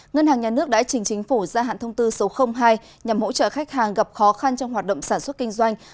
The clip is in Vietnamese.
ngân hàng nhà nước đã trình chính phủ gia hạn thông tư số hai nhằm hỗ trợ khách hàng gặp khó khăn trong hoạt động sản xuất kinh doanh